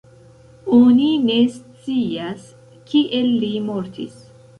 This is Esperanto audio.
Oni ne scias kiel li mortis.